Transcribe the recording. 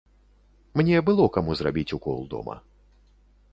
Мне было каму зрабіць укол дома.